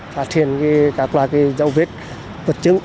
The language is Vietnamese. phát hiện các loại dầu vết vật chứng